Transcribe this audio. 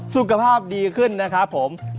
สุขภาพดีขึ้นนะครับผม